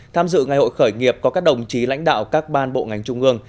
tham dự ngày hội khởi nghiệp có các đồng chí lãnh đạo các ban bộ ngành trung ương